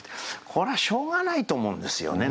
これはしょうがないと思うんですよね